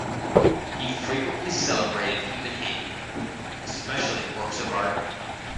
He frequently celebrated human handiwork, especially works of art.